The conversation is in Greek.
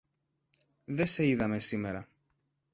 Δε σε είδαμε σήμερα.